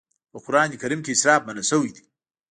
په قرآن کريم کې اسراف منع شوی دی.